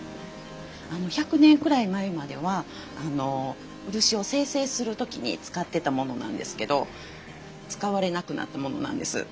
１００年くらい前までは漆を精製する時に使ってたものなんですけど使われなくなったものなんです。